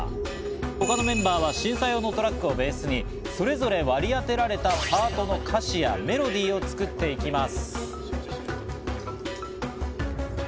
他のメンバーは審査用のトラックをベースにそれぞれ割り当てられたパートの歌詞やメロディーを作っていきます。